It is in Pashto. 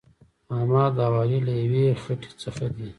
احمد او علي له یوې خټې څخه دي.